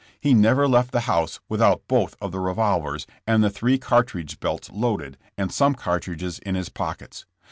He never left the house without both of the revolvers and the three cartridge belts loaded, and some cartridges in his pockets.